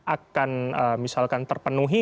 akan misalkan terpenuhi